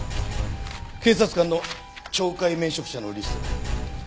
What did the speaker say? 警察官の懲戒免職者のリストだ。